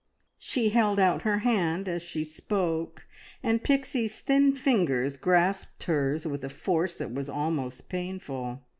She held out her hand as she spoke, and Pixie's thin fingers grasped hers with a force that was almost painful.